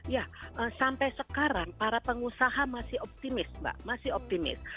ya sampai sekarang para pengusaha masih optimis mbak masih optimis